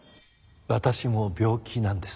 私も病気なんです。